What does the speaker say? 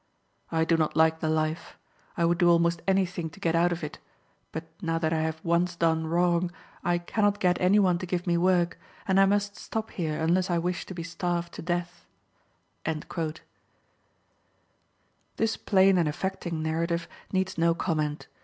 I do not like the life. I would do almost any thing to get out of it; but, now that I have once done wrong, I can not get any one to give me work, and I must stop here unless I wish to be starved to death." This plain and affecting narrative needs no comment.